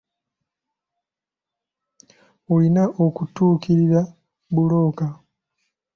Olina okutuukirira bbulooka.